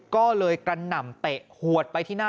ก็เลยกระหน่ำเตะขวดไปที่หน้า